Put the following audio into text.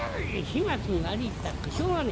「始末に悪いたってしょうがねえ。